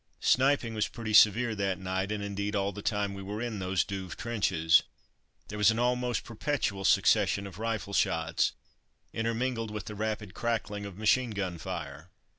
Sniping was pretty severe that night, and, indeed, all the time we were in those Douve trenches. There was an almost perpetual succession of rifle shots, intermingled with the rapid crackling of machine gun fire.